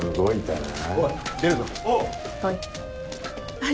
はい。